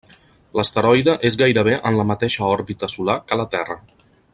L'asteroide és gairebé en la mateixa òrbita solar que la Terra.